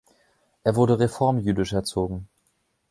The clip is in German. Er wurde reformjüdisch erzogen.